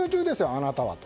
あなたはと。